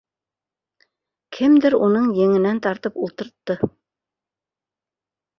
Кемдер уны еңенән тартып ултыртты